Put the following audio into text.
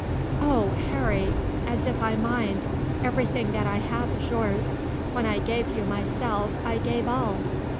"Oh! Harry, as if I mind. Everything that I have is yours. When I gave you myself I gave all.